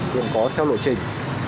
hiện có theo lộ trình